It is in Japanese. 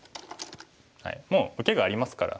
もう受けがありますから。